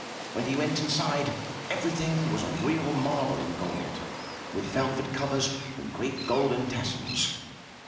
When he went inside, everything was of real marble and gold, with velvet covers and great golden tassels.